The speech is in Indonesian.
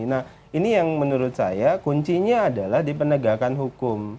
nah ini yang menurut saya kuncinya adalah di penegakan hukum